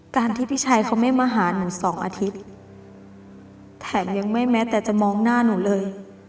การที่พี่ชัยเขาไม่มาหาหนูสองอาทิตย์แถมยังไม่แม้แต่จะมองหน้าหนูเลย